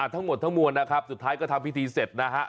ทั้งหมดทั้งมวลนะครับสุดท้ายก็ทำพิธีเสร็จนะฮะ